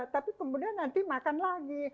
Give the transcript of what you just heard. tapi kemudian nanti makan lagi